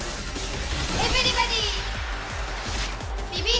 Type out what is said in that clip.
エブリバディー！